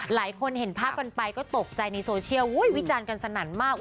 หลายคนเห็นภาพกันไปก็ตกใจในโซเชียลวิจารณ์กันสนั่นมาก